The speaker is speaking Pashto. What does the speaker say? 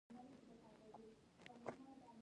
بس نهه بجو روانیږي